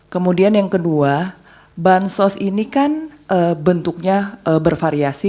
kemudian yang kedua bansos ini kan bentuknya bervariasi